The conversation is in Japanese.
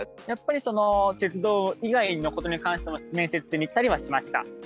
やっぱりその鉄道以外のことに関しても面接に行ったりはしました。